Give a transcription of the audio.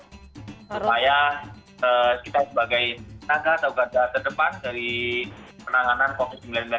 supaya kita sebagai tangga atau gagah terdepan dari penanganan covid sembilan belas ini tidak sampai terpenang